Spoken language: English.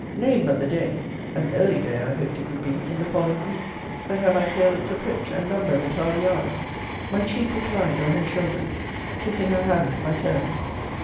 Name but the day (an early day, I hoped it would be, in the following week) that I might hail its approach, and number the tardy hours. My cheek reclined on her shoulder kissing her hands by turns.